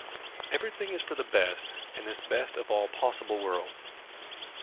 Everything is for the best in this best of all possible worlds.